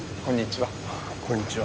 こんにちは。